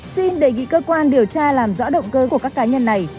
xin đề nghị cơ quan điều tra làm rõ động cơ của các cá nhân này